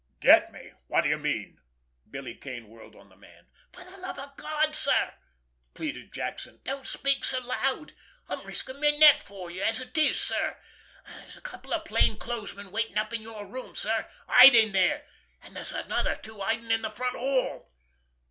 "Get—me! What do you mean?" Billy Kane whirled on the man. "For the love of God, sir," pleaded Jackson, "don't speak so loud! I'm risking my neck for you, as it is, sir. There's a couple of plain clothesmen waiting up in your room, sir, hiding there, and there's another two hiding in the front hall."